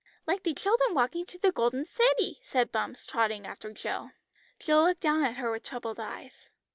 "Like the children walking to the Golden City," said Bumps trotting after Jill. Jill looked down at her with troubled eyes.